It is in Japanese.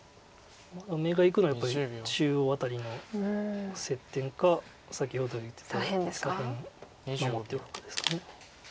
目がいくのはやっぱり中央辺りの接点か先ほど言ってた左辺守っておくかですか。